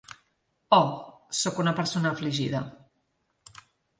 Oh, sóc una persona afligida.